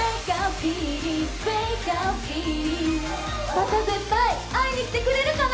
また絶対会いに来てくれるかな？